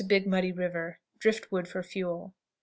Big Muddy River. Drift wood for fuel.